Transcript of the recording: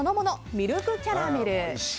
ミルクキャラメル。